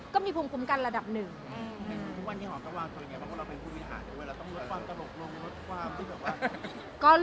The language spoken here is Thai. ก็มีภูมิคุ้มกันระดับหนึ่ง